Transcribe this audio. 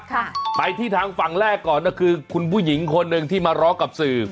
ค่ะไปที่ทางฝั่งแรกก่อนก็คือคุณผู้หญิงคนหนึ่งที่มาร้องกับสื่อ